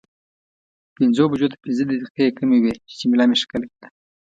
پنځو بجو ته پنځه دقیقې کمې وې چې جميله مې ښکل کړه.